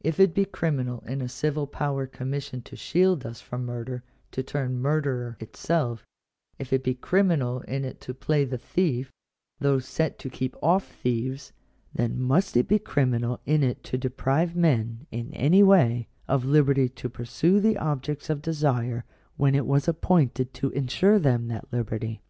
If it be criminal in a civil power commissioned to shield us from murder to turn murderer itself; if it be criminal in it to play the thief, though set to keep off thieves; then must it be criminal in it to deprive men, in any way, of liberty to pursue the objects of desire, when it was appointed to ensure them that liberty.